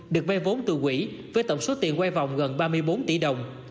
được vay vốn từ quỹ với tổng số tiền quay vòng gần ba mươi bốn tỷ đồng